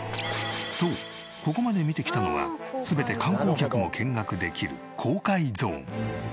そうここまで見てきたのは全て観光客も見学できる公開ゾーン。